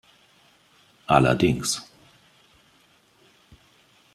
Allerdings!